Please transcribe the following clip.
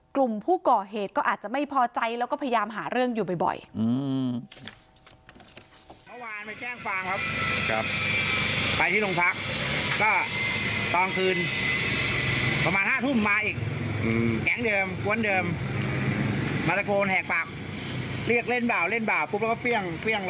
กลุ่มผู้ก่อเหตุก็อาจจะไม่พอใจแล้วก็พยายามหาเรื่องอยู่บ่อย